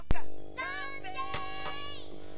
さんせい！